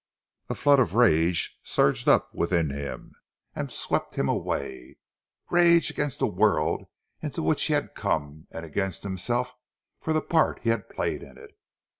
A flood of rage surged up within him, and swept him, away—rage against the world into which he had come, and against himself for the part he had played in it.